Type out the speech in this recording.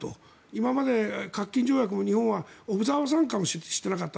今まで核禁条約も、日本はオブザーバー参加もしてなかった。